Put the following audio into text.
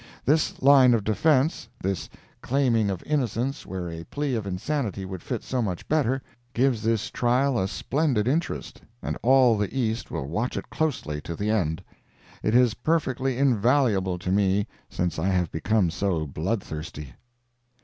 This line of defence, this claiming of innocence where a plea of insanity would fit so much better, gives this trial a splendid interest, and all the East will watch it closely to the end. It is perfectly invaluable to me since I have become so bloodthirsty.